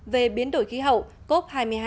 về biến đổi khí hậu cop hai mươi hai